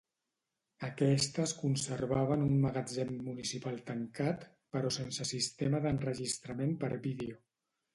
Aquesta es conservava en un magatzem municipal tancat, però sense sistema d'enregistrament per vídeo.